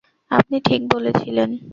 আপনি ঠিক বলেছিলেন।